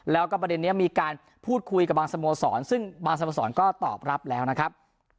แล้วก็ประเด็นนี้มีการพูดคุยกับบางสโมสรซึ่งบางสโมสรก็ตอบรับแล้วนะครับ